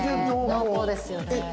濃厚ですよね。